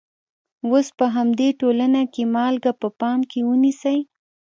اوس په همدې ټولنه کې مالګه په پام کې ونیسئ.